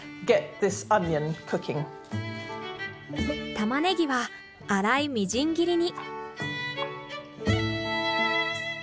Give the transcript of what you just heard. タマネギは粗いみじん切りに。